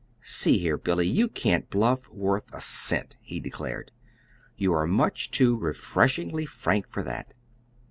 "See here, Billy, you can't bluff worth a cent," he declared. "You are much too refreshingly frank for that.